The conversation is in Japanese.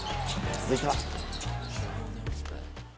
続いては。